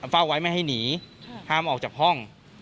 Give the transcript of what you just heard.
เฝ้าไว้ไม่ให้หนีห้ามออกจากห้อง